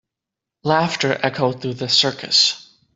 Laughter echoed through the circus.